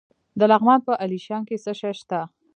د لغمان په علیشنګ کې څه شی شته؟